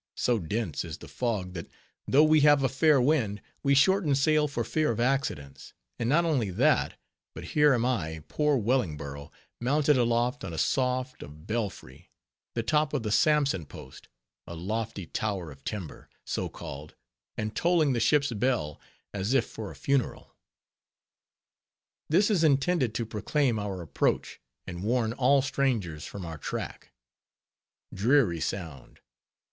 So dense is the fog, that though we have a fair wind, we shorten sail for fear of accidents; and not only that, but here am I, poor Wellingborough, mounted aloft on a sort of belfry, the top of the "Sampson Post," a lofty tower of timber, so called; and tolling the ship's bell, as if for a funeral. This is intended to proclaim our approach, and warn all strangers from our track. Dreary sound!